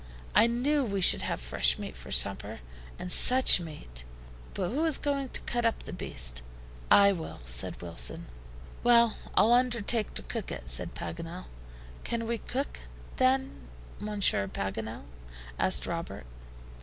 I knew we should have fresh meat for supper, and such meat! But who is going to cut up the beast?" "I will," said Wilson. "Well, I'll undertake to cook it," said Paganel. "Can you cook, then, Monsieur Paganel?" asked Robert.